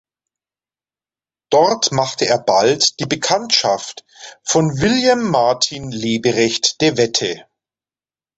Dort machte er bald die Bekanntschaft von Wilhelm Martin Leberecht de Wette.